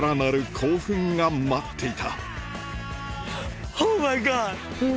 興奮が待っていた